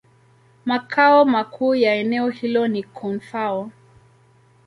Makao makuu ya eneo hilo ni Koun-Fao.